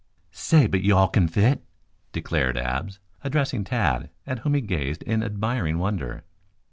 "Say, but you all can fit," declared Abs, addressing Tad, at whom he gazed in admiring wonder.